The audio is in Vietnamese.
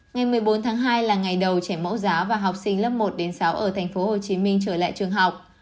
ngày một mươi bốn tháng hai là ngày đầu trẻ mẫu giáo và học sinh lớp một đến sáu ở tp hcm trở lại trường học